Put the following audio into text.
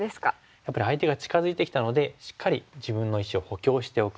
やっぱり相手が近づいてきたのでしっかり自分の石を補強しておく。